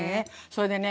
それでね